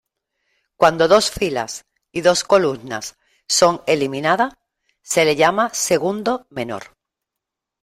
Cuando dos filas y dos columnas son eliminada, se le llama "segundo menor".